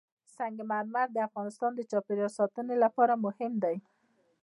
سنگ مرمر د افغانستان د چاپیریال ساتنې لپاره مهم دي.